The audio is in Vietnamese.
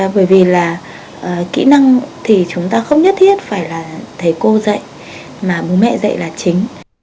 bởi vì là kỹ năng thì chúng ta không nhất thiết phải là thầy cô dạy mà bố mẹ dạy là chính